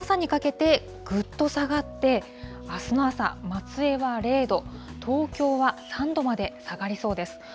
ただ、このあと、あすの朝にかけてぐっと下がって、あすの朝、松江は０度、東京は３度まで下がりそうです。